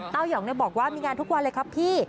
ยองบอกว่ามีงานทุกวันเลยครับพี่